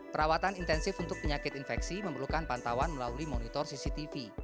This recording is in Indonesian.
perawatan intensif untuk penyakit infeksi memerlukan pantauan melalui monitor cctv